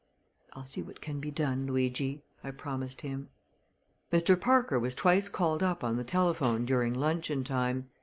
"I'll see what can be done, Luigi," I promised him. Mr. Parker was twice called up on the telephone during luncheon time.